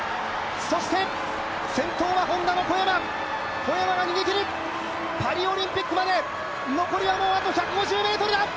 そして、先頭はＨｏｎｄａの小山、小山が逃げきりパリオリンピックまで残りはもうあと１５０ｍだ。